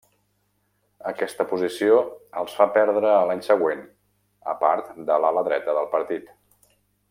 Aquesta posició els fa perdre a l'any següent a part de l'ala dreta del partit.